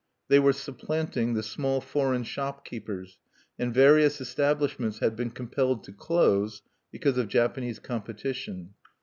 They were supplanting the small foreign shopkeepers; and various establishments had been compelled to close because of Japanese competition.